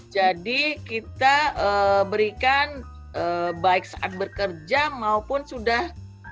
jadi kita berikan baik saat bekerja maupun sudah